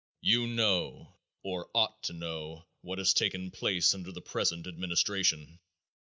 You know, or ought to know, what has taken place under the present administration.